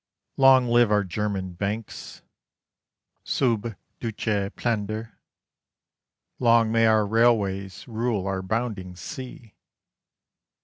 Long live our German banks, sub duce Plender! Long may our railways rule our bounding sea!